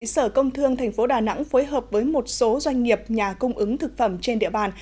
sở công thương tp đà nẵng phối hợp với một số doanh nghiệp nhà cung ứng thực phẩm trên địa bàn